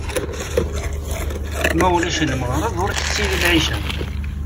Ma ulac lmeɣreb ur tettili lɛica.